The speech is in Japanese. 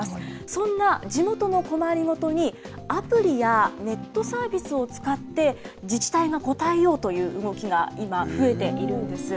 そんな地元の困りごとに、アプリやネットサービスを使って、自治体がこたえようという動きが今、増えているんです。